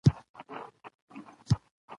ستورو کالي د اوبو واغوستله